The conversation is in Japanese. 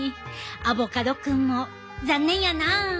アボカドくんも残念やな。